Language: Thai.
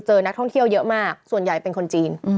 นักท่องเที่ยวเยอะมากส่วนใหญ่เป็นคนจีน